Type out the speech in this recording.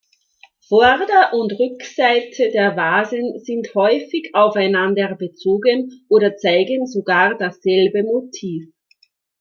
Vorder- und Rückseite der Vasen sind häufig aufeinander bezogen oder zeigen sogar dasselbe Motiv.